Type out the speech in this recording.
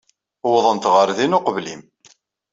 Uwḍent ɣer din uqbel-im.